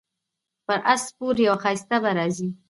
پر اس سپور یو ښایسته به راځي